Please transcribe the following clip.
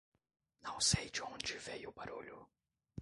Não sei de onde veio o barulho.